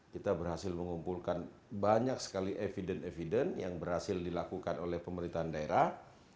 kita berhasil mengumpulkan banyak sekali evidence evidence yang berhasil dilakukan oleh pemerintahan daerah